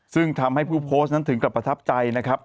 ซึ่งทำให้ผู้โพสต์นั้นถึงกับประทับใจนะครับ